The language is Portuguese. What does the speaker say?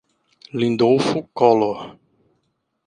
Lindolfo Collor